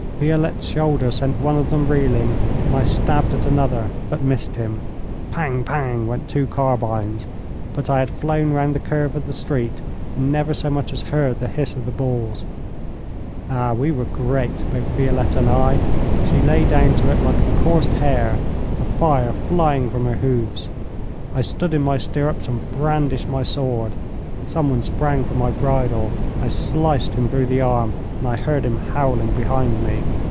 Violette's shoulder sent one of them reeling, and I stabbed at another but missed him. Pang, pang, went two carbines, but I had flown round the curve of the street, and never so much as heard the hiss of the balls. Ah, we were great, both Violette and I. She lay down to it like a coursed hare, the fire flying from her hoofs. I stood in my stirrups and brandished my sword. Someone sprang for my bridle. I sliced him through the arm, and I heard him howling behind me.